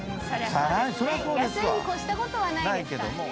安いに越したことはないですからね。